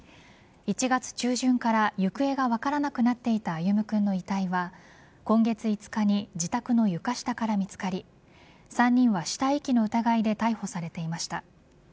１月中旬から行方が分からなくなっていた歩夢君の遺体は今月５日に自宅の床下から見つかり３人は死体遺棄の疑いで逮捕されていました。